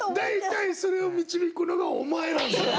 大体それを導くのがお前なんだよ。